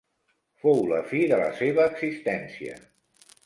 Fou la fi de la seva existència.